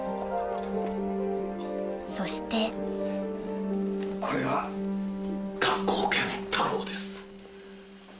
そしてこれが学校犬タローです。